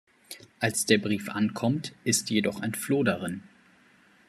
Als der Brief ankommt, ist jedoch ein Floh darin.